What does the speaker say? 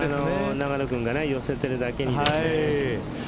永野君が寄せているだけにですね。